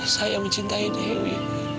saya mencintai dewi